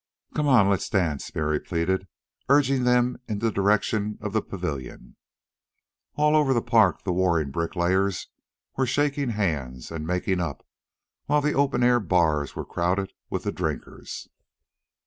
"Come on, let's dance," Mary pleaded, urging them in the direction of the pavilion. All over the park the warring bricklayers were shaking hands and making up, while the open air bars were crowded with the drinkers.